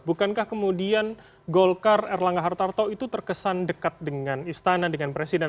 bukankah kemudian golkar erlangga hartarto itu terkesan dekat dengan istana dengan presiden